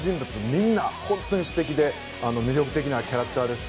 みんな本当に素敵で魅力的なキャラクターです。